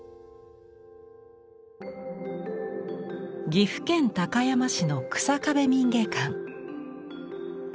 岐阜県高山市の日下部民藝館。